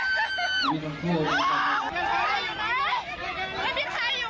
ได้ไง